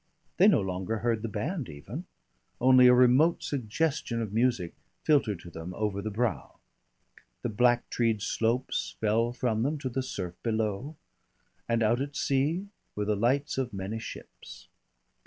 They no longer heard the band even, only a remote suggestion of music filtered to them over the brow. The black treed slopes fell from them to the surf below, and out at sea were the lights of many ships.